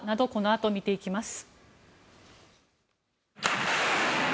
あと見ていきます。